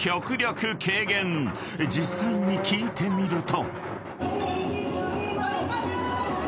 ［実際に聞いてみると］